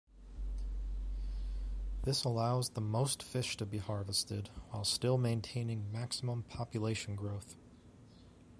This allows the most fish to be harvested while still maintaining maximum population growth.